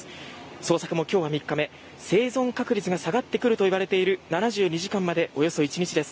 捜索も今日は３日目生存確率が下がってくるといわれている７２時間までおよそ１日です。